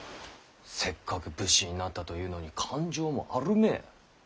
せっかく武士になったというのに勘定もあるめぇ。